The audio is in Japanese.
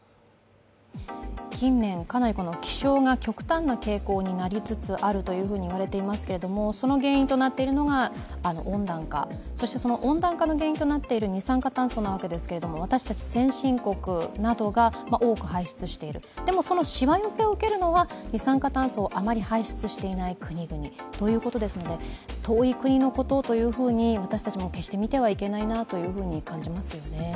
近年、かなり気象が極端な傾向になりつつあると言われていますけれどもその原因となっているのが温暖化、そしてその温暖化の原因となっている二酸化炭素なわけですけど、私たち先進国などが多く排出している、でもそのしわ寄せを受けるのは二酸化炭素をあまり排出していない国々ということですので遠い国のことというふうに私たちも決して見てはいけないなと思いますね。